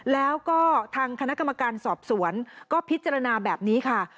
แล้วก็ทางคณะกรรมการสอบสวนก็พิจารณาแบบนี้ค่ะ